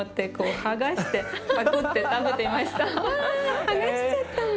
剥がしちゃったの？